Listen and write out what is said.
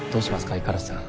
五十嵐さん。